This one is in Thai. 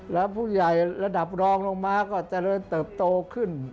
แล้วผู้ใหญ่ระดับรองลงมาก็เจริญเติบโตขึ้น